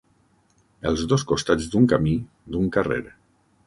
Els dos costats d'un camí, d'un carrer.